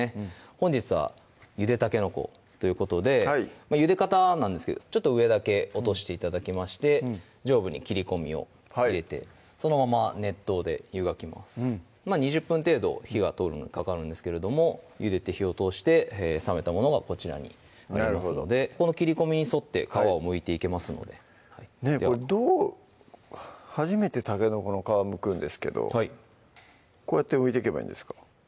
本日はゆでたけのこということでゆで方なんですけどちょっと上だけ落として頂きまして上部に切り込みを入れてそのまま熱湯で湯がきます２０分程度火が通るのにかかるんですけれどもゆでて火を通して冷めたものがこちらになりますのでこの切り込みに沿って皮をむいていけますのでこれどう初めてたけのこの皮むくんですけどこうやってむいていけばいいんですか？